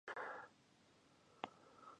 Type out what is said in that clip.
پاچا به د مالیاتو په زیاتولو کې سلا مشورې کوي.